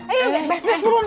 ayo bes bes burun